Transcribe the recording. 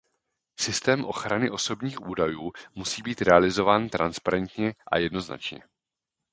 Systém ochrany osobních údajů musí být realizován transparentně a jednoznačně.